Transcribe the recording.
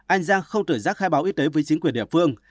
an giang không tự giác khai báo y tế với chính quyền địa phương